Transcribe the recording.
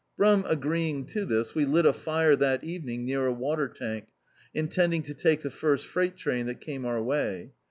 Brum agreeing to this, we lit a fire that evening near a water tank, intending to take the first frei^t train that came our way.